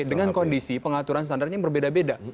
dengan kondisi pengaturan standarnya yang berbeda beda